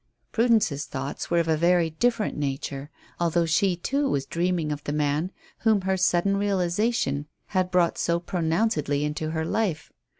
Prudence's thoughts were of a very different nature, although she too was dreaming of the man whom her sudden realization had brought so pronouncedly into her life.